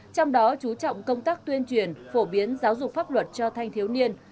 trong đó chú trọng công tác tuyên truyền phổ biến giáo dục pháp luật cho thanh thiếu niên